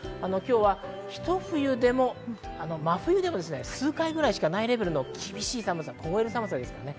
今日はひと冬でも真冬でも数回ぐらいしかないレベルの厳しい寒さ、凍える寒さです。